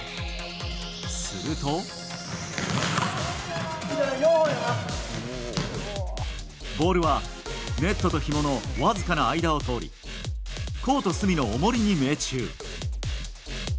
すると、ボールはネットとひものわずかな間を通りコート隅の重りに命中。